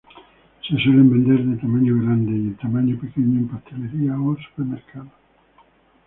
Se suelen vender en tamaño grande y en tamaño pequeño en pastelerías o supermercados.